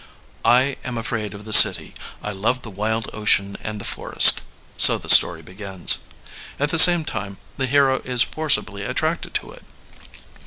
I am afraid of the city, I love the wild ocean and the forest, '* so the story begins. At the same time the hero is forcibly attracted to it.